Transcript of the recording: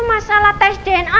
masalah tes dna